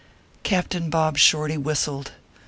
Captain Bob Shorty whistled.